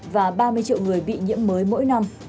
và ba mươi triệu người bị nhiễm mới mỗi năm